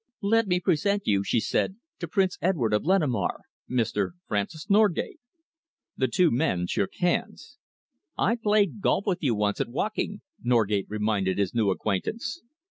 "Let me present you," she said, "to Prince Edward of Lenemaur Mr. Francis Norgate." The two men shook hands. "I played golf with you once at Woking," Norgate reminded his new acquaintance.